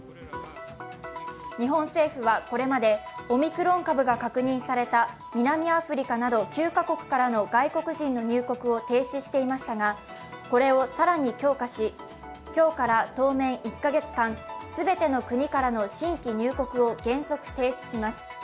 日本政府はこれまで、オミクロン株が確認された南アフリカなど９カ国からの外国人の入国を停止していましたがこれを更に強化し、今日から当面１カ月間、全ての国からの新規入国を原則停止します。